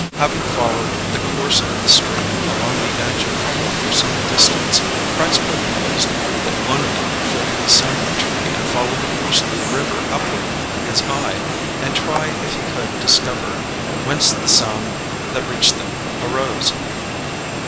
Having followed the course of the stream along the edge of the cliff for some distance, Price proposed that one of them should ascend a tree and follow the course of the river upward with his eye, and try if he could discover whence the sound that reached them arose.